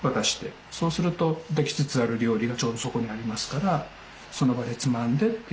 そうするとできつつある料理がちょうどそこにありますからその場でつまんでっていう。